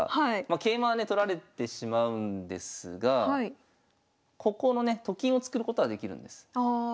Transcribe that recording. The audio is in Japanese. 桂馬はね取られてしまうんですがここのねと金を作ることはできるんです。